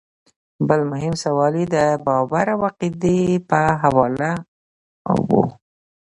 بل مهم سوال ئې د باور او عقيدې پۀ حواله وۀ